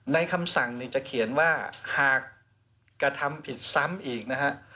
คำสั่งเนี่ยจะเขียนว่าหากกระทำผิดซ้ำอีกนะฮะ